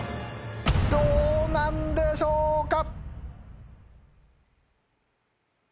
どうなんでしょうか？